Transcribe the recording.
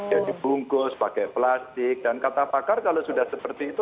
jadi bungkus pakai plastik dan kata pakar kalau sudah seperti itu